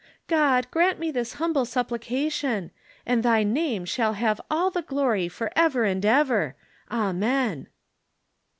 God, grant me this humble supplication, and Thy name shall have all the glory for ever and ever. Amen